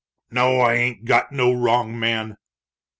"No, I ain't got no wrong man!"